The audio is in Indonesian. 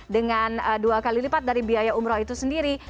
dengan dua kali lipat dari biaya umroh itu sendiri